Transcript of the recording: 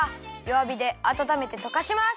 わびであたためてとかします。